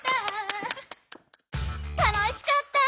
楽しかった！